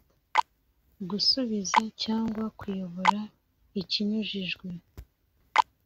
Gusubiza cyangwa kuyobora ikinyujijwe